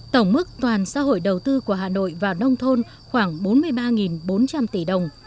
tổng mức toàn xã hội đầu tư của hà nội vào nông thôn khoảng bốn mươi ba bốn trăm linh tỷ đồng